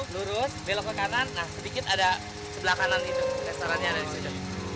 lurus belok ke kanan nah sedikit ada sebelah kanan itu restorannya ada di sudut